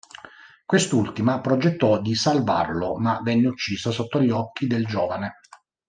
Quest'ultima progettò di salvarlo, ma venne uccisa sotto gli occhi del giovane.